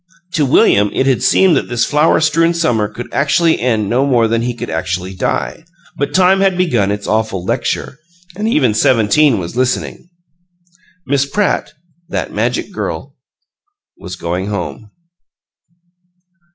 To William it had seemed that this flower strewn summer could actually end no more than he could actually die, but Time had begun its awful lecture, and even Seventeen was listening. Miss Pratt, that magic girl, was going home.